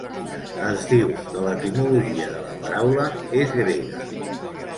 Es diu que l'etimologia de la paraula és grega.